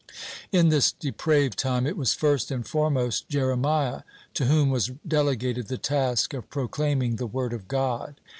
(9) In this depraved time, it was first and foremost Jeremiah to whom was delegated the task of proclaiming the word of God.